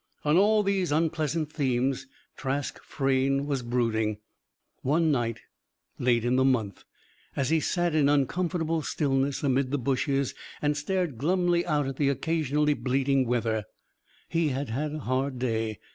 On all these unpleasant themes Trask Frayne was brooding, one night, late in the month; as he sat in uncomfortable stillness amid the bushes and stared glumly out at the occasionally bleating wether. He had had a hard day.